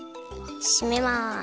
しめます。